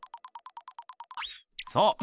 そう！